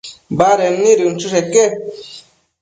Baded nid inchësheque